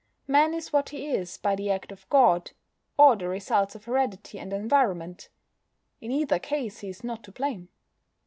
Man is what he is by the act of God, or the results of heredity and environment. In either case he is not to blame.